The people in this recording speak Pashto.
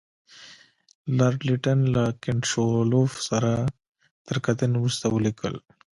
لارډ لیټن له کنټ شووالوف سره تر کتنې وروسته ولیکل.